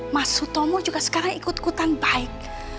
mas sutomo juga sekarang ikut ikutan baik